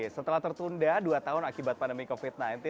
setelah tertunda dua tahun akibat pandemi covid sembilan belas